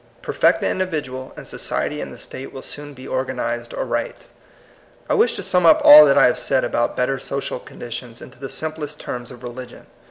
Perfect the individual, and society and the state will soon be organized aright. I wish to sum up all that I have said about better social conditions into the sim plest terms of religion.